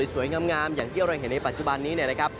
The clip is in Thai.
สวยงามอย่างที่เราเห็นในปัจจุบันนี้เนี่ยนะครับ